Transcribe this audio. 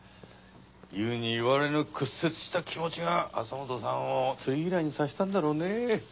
言うに言われぬ屈折した気持ちが朝本さんを釣り嫌いにさせたんだろうね。